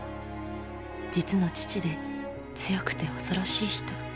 実の父で強くて恐ろしい人。